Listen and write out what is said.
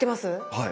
はい。